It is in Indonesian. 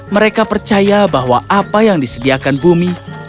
mereka percaya bahwa apa yang disediakan bumi